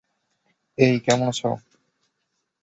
এই, কেমন আছো?